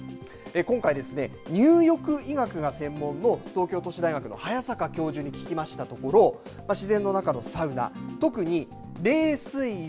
今回、入浴医学が専門の東京都市大学の早坂教授に聞きましたところ自然の中のサウナ、特に冷水浴。